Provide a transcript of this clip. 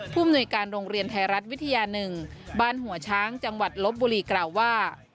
มนุยการโรงเรียนไทยรัฐวิทยา๑บ้านหัวช้างจังหวัดลบบุรีกล่าวว่า